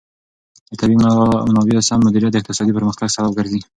د طبیعي منابعو سم مدیریت د اقتصادي پرمختګ سبب ګرځي.